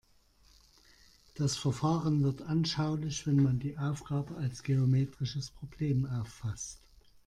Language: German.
Das Verfahren wird anschaulich, wenn man die Aufgabe als geometrisches Problem auffasst.